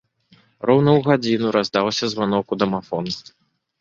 Роўна ў гадзіну раздаўся званок у дамафон.